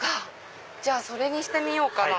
それにしてみようかな。